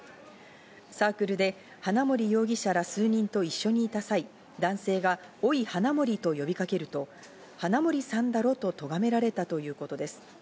サークルで花森容疑者ら数人と一緒にいた際、男性が、おい花森と呼びかけると、花森さんだろととがめられたということです。